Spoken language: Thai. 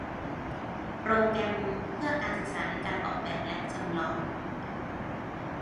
โปรแกรมเพื่อการศึกษาในการออกแบบและจำลอง